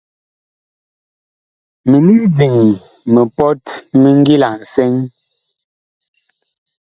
Minig diŋ mipɔt mi ngila nsɛŋ.